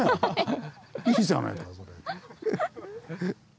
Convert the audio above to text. いいじゃないかそれで。